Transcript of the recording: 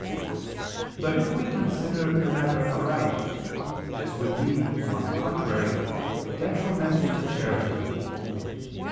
But if we consider the matter aright, this would be, on the contrary, detrimental to charity.